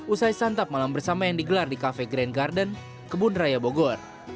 usai santap malam bersama yang digelar di cafe grand garden kebun raya bogor